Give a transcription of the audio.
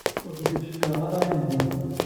Ur ten-id-cekkṛeɣ i medden.